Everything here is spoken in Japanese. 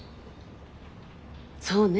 そうね